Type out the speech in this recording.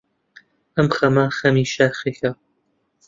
ئەم خەمە خەمی شاخێکە،